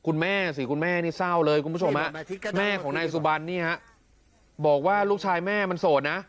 คุณแม่สิคุณแม่ของครูชมแม่ของในสุบันนี่บอกว่าลูกชายแม่สะโหลดน่ะ